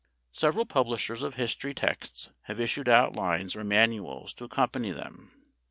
Several publishers of history texts have issued outlines or manuals to accompany them.